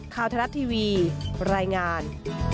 ข่าวทะลัดทีวีรายงาน